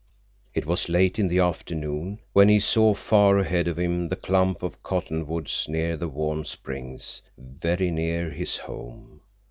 It was late in the afternoon when he saw far ahead of him the clump of cottonwoods near the warm springs, very near his home.